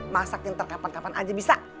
masak pinter kapan kapan aja bisa